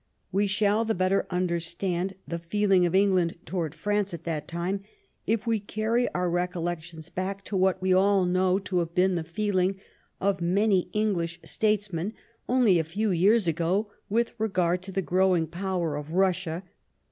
We shall the better understand the feeling of England towards France at that time if we carry our recollections back to what we all know to have been the feeling of many English statesmen, only a few years ago, with regard to the growing power of Russia.